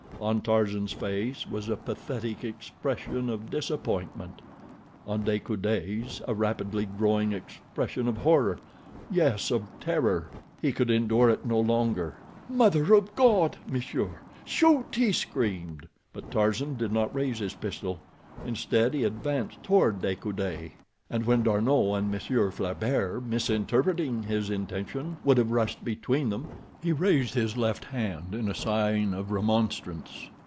On Tarzan's face was a pathetic expression of disappointment. On De Coude's a rapidly growing expression of horror—yes, of terror. He could endure it no longer. "Mother of God! Monsieur—shoot!" he screamed. But Tarzan did not raise his pistol. Instead, he advanced toward De Coude, and when D'Arnot and Monsieur Flaubert, misinterpreting his intention, would have rushed between them, he raised his left hand in a sign of remonstrance.